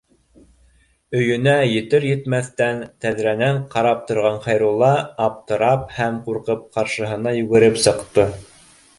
Өйөнә етер-етмәҫтән, тәҙрәнән ҡарап торған Хәйрулла, аптырап һәм ҡурҡып, ҡаршыһына йүгереп сыҡты